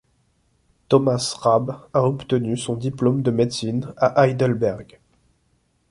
Thomas Rabe a obtenu son diplôme de médecine à Heidelberg.